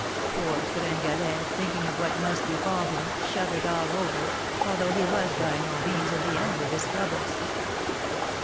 Poor Gringalet, thinking of what must befall him, shuddered all over, although he was by no means at the end of his troubles.